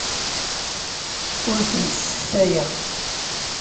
Ur tent-sseftayeɣ.